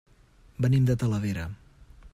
Venim de Talavera.